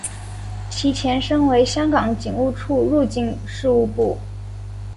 其前身为香港警务处入境事务部。